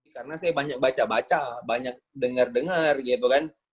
karena saya banyak baca baca banyak dengar dengar gitu kan